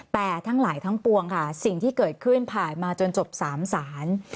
แต่ทั้งหลายทั้งปวงค่ะสิ่งที่เกิดขึ้นผ่านมาจนจบ๓ศาล